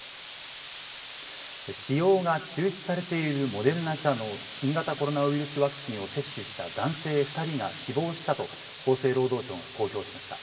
使用が中止されているモデルナ社の新型コロナウイルスワクチンを接種した男性２人が死亡したと、厚生労働省が公表しました。